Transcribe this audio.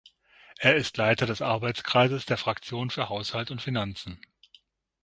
Er ist Leiter des Arbeitskreises der Fraktion für Haushalt und Finanzen.